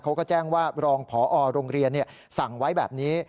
เขาก็แจ้งว่ารองพอโรงเรียนสั่งไว้แบบนี้